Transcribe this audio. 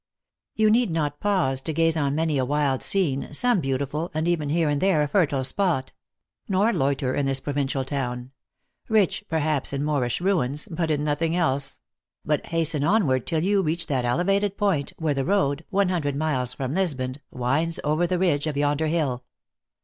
You need not pause to gaze on many a wild scene, some beautiful, and even here and there a fertile spot; nor loiter in this provincial town rich, perhaps, in Moorish ruins, but in nothing else but hasten onward till you reach that elevated point, where the road, one hundred miles from Lisbon, winds over the ridge of yonder hill.